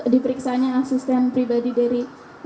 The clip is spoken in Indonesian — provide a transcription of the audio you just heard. diperiksanya asisten pribadi dari